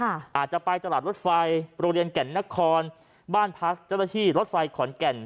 อาจจะไปตลาดรถไฟโรงเรียนแก่นนครบ้านพักเจ้าหน้าที่รถไฟขอนแก่น